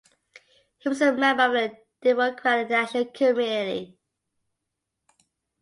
He was member of the Democratic National Committee.